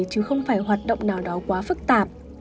chứ không phải hoạt động nào đó quá phức tạp